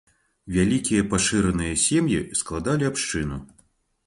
Вялікія пашыраныя сем'і складалі абшчыну.